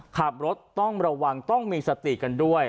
ขับรถต้องระวังต้องมีสติกันด้วย